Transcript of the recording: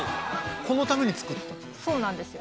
このために作ったんですか？